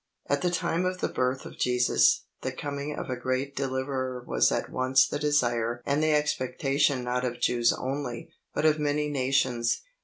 At the time of the birth of Jesus, the coming of a great deliverer was at once the desire and the expectation not of Jews only, but of many nations.